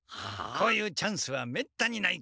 こういうチャンスはめったにないから！